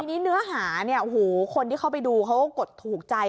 ทีนี้เนื้อหาเนี่ยโอ้โหคนที่เข้าไปดูเขาก็กดถูกใจ